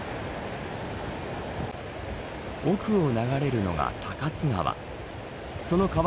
奥を流れるのが高津川。